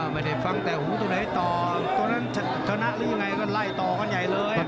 ไม่ได้ฟังแต่หูตรงไหนต่อตรงนั้นเทอร์นะลื้อไงก็ไล่ต่อการใหญ่เลย